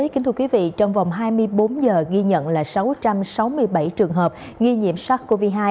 kính thưa quý vị trong vòng hai mươi bốn giờ ghi nhận là sáu trăm sáu mươi bảy trường hợp nghi nhiễm sars cov hai